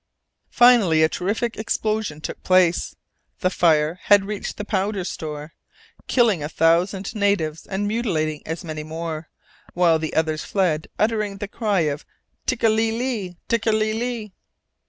Finally a terrific explosion took place the fire had reached the powder store killing a thousand natives and mutilating as many more, while the others fled, uttering the cry of _tékéli li! tékéli li!